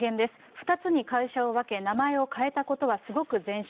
２つに会社を分け、名前を変えたことはすごく前進。